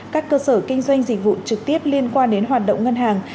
các cơ sở kinh doanh dịch vụ trực tiếp liên quan đến hoạt động ngân hàng